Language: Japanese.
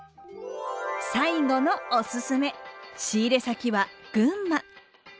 最後のおすすめ仕入れ先は群馬。